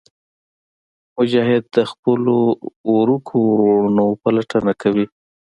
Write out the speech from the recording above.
مجاهد د خپلو ورکو وروڼو پلټنه کوي.